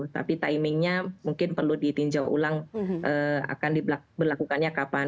tapi timingnya mungkin perlu ditinjau ulang akan diberlakukannya kapan